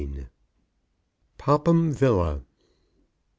POPHAM VILLA.